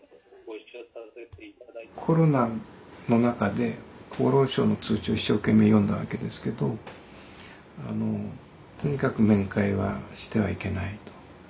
コロナの中で厚労省の通知を一生懸命読んだわけですけどあのとにかく面会はしてはいけないと。